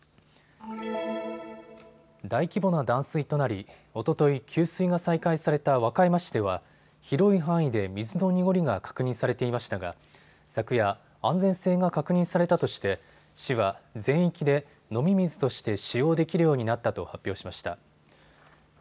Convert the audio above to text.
大規模な断水となり、おととい給水が再開された和歌山市では広い範囲で水の濁りが確認されていましたが昨夜、安全性が確認されたとして市は全域で飲み水として使用できるようになったと発表しました。